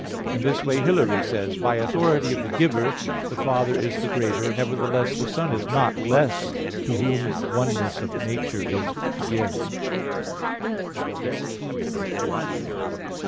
In this way, Hilary says (De Trin. ix): "By authority of the Giver, the Father is the greater; nevertheless the Son is not less to Whom oneness of nature is give."